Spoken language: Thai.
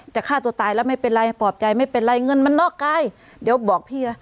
ฆ่าตัวตายแล้วไม่เป็นไรปลอบใจไม่เป็นไรเงินมันนอกกายเดี๋ยวบอกพี่นะ